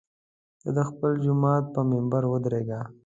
ته د خپل جومات پر منبر ودرېږه.